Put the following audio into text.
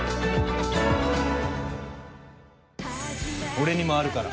「俺にもあるから。